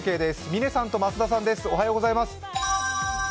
嶺さんと増田さんです。